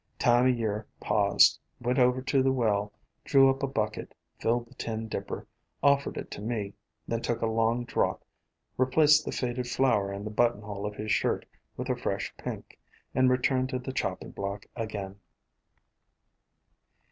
Time o' Year paused, went over to the well, drew up a bucket, filled the tin dipper, offered it to me, then took a long draught, replaced the faded flower in the buttonhole of his shirt with a fresh pink, and returned to the chopping block again.